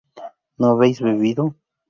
¿no habéis bebido?